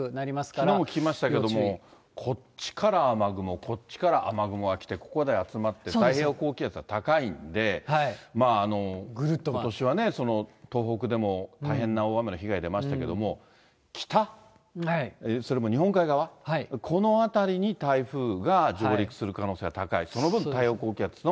きのうも聞きましたけども、こっちから雨雲、こっちから雨雲が来て、ここで集まって、太平洋高気圧は高いんで、ことしは東北でも大変な大雨の被害出ましたけれども、北、それも日本海側、この辺りに台風が上陸する可能性が高い。